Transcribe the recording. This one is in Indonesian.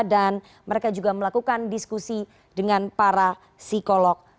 mereka juga melakukan diskusi dengan para psikolog